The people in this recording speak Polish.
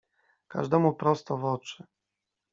każdemu prosto w oczy.